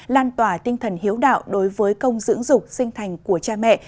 lan tỏa tinh thần hiếu đạo đối với công dưỡng dục sinh thành của cha mẹ